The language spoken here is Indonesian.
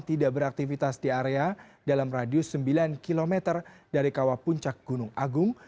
tidak beraktivitas di area dalam radius sembilan km dari kawah puncak gunung agung